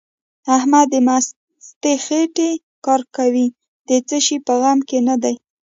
احمد د مستې خېټې کار کوي؛ د څه شي په غم کې نه دی.